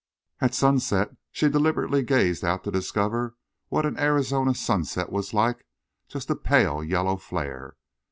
At sunset she deliberately gazed out to discover what an Arizona sunset was like just a pale yellow flare!